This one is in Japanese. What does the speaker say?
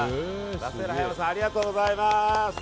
ラ・セーラ葉山さんありがとうございます。